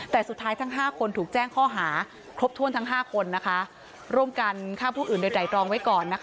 แต่สุดท้ายทั้ง๕คนถูกแจ้งข้อหาครบถ้วนทั้ง๕คนร่วมกันฆ่าผู้อื่นโดยไตรรองไว้ก่อน